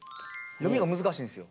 読みが難しいんですよ。